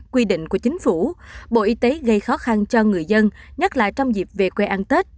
quy định của chính phủ bộ y tế gây khó khăn cho người dân nhất là trong dịp về quê ăn tết